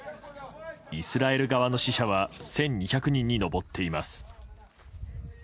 イスラエル側の死者は１２００人に上っています。